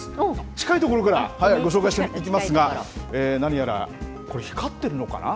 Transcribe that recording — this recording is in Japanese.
近い所からご紹介していきますが、何やら、これ、光ってるのかな？